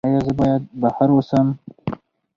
ایا زه باید بهر اوسم؟